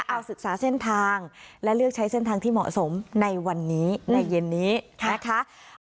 เอาศึกษาเส้นทางและเลือกใช้เส้นทางที่เหมาะสมในวันนี้ในเย็นนี้นะคะ